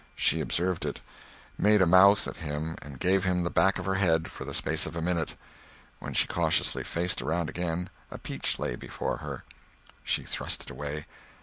She observed it, "made a mouth" at him and gave him the back of her head for the space of a minute. When she cautiously faced around again, a peach lay before her. She thrust it away.